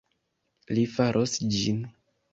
Li faros ĝin